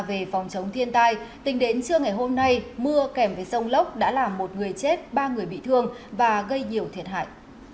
về phòng chống thiên tai tính đến trưa ngày hôm nay mưa kèm với sông lốc đã làm một người chết ba người bị thương và gây nhiều thiệt hại